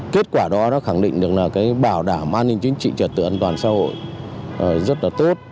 kết quả đó đã khẳng định được là cái bảo đảm an ninh chính trị trật tự an toàn xã hội rất là tốt